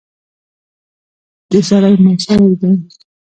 چې سړی مړ شوی دی.